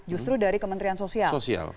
justru dari kementerian sosial